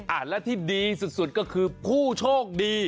อ่ะอ่านแล้วที่ดีสุดก็คือผู้โชคดี